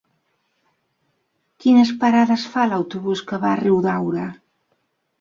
Quines parades fa l'autobús que va a Riudaura?